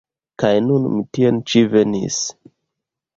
Kaj nun mi tien ĉi venis.